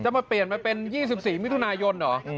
มาเปลี่ยนมาเป็น๒๔มิถุนายนเหรอ